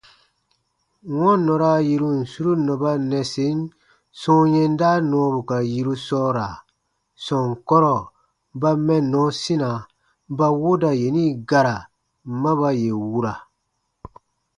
Wɔ̃ɔ nɔra yirun suru nɔba nnɛsen sɔ̃ɔ yɛnda nɔɔbu ka yiru sɔɔra sɔnkɔrɔ ba mɛnnɔ sina ba wooda yeni gara ma ba yè wura.